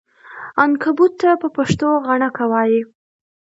عنکبوت ته په پښتو غڼکه وایې!